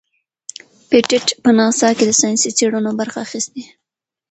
پېټټ په ناسا کې د ساینسي څیړنو برخه اخیستې.